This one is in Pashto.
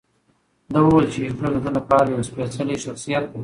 ده وویل چې هېټلر د ده لپاره یو سپېڅلی شخصیت دی.